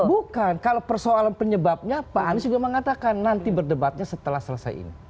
bukan kalau persoalan penyebabnya pak anies juga mengatakan nanti berdebatnya setelah selesai ini